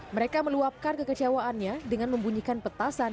mereka meluapkan kekecewaannya dengan membunyikan petasan